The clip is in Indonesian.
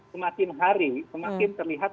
semakin hari semakin terlihat